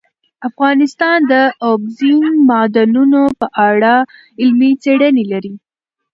افغانستان د اوبزین معدنونه په اړه علمي څېړنې لري.